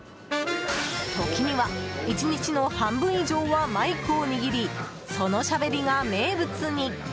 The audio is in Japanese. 時には１日の半分以上はマイクを握りそのしゃべりが名物に。